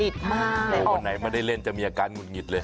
วันไหนไม่ได้เล่นจะมีอาการหงุดหงิดเลย